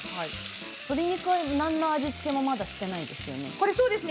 鶏肉には何の味付けもまだしていないですよね。